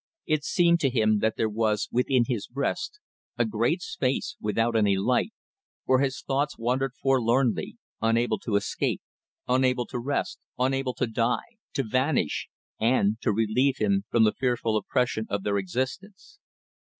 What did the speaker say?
It seemed to him that there was within his breast a great space without any light, where his thoughts wandered forlornly, unable to escape, unable to rest, unable to die, to vanish and to relieve him from the fearful oppression of their existence.